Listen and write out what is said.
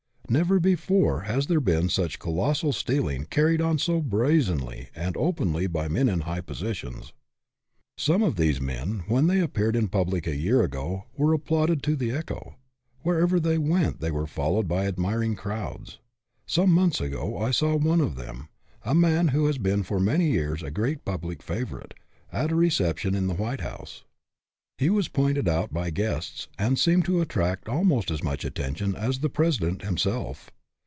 Never before has there been such colossal stealing carried on so brazenly and openly by men in high positions. Some of these men, when they appeared in public a year ago, were applauded to the echo. Wherever they went they were followed by admiring crowds. Some months ago I saw one of them, a man who has been for many years a great public favorite, at a reception in 228 SUCCESS WITH A FLAW the White House. He was pointed out by guests, and seemed to attract almost as much attention as the President himself.